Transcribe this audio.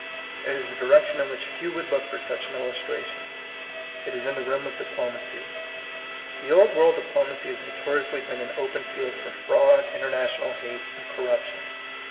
It is a direction in which few would look for such an illustration. It is in the realm of di plomacy. The old world diplomacy has notoriously been an open field for fraud, international hate, and corruption.